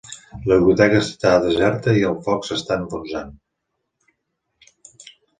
La biblioteca està deserta i el foc s'està enfonsant.